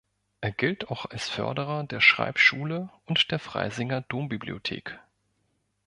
Er gilt auch als Förderer der Schreibschule und der Freisinger Dombibliothek.